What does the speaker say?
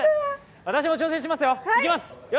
私も挑戦しますよ、いきます。